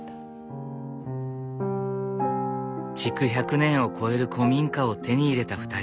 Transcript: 築１００年を超える古民家を手に入れた２人。